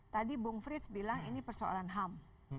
tadi bung frits bilang ini persoalan ham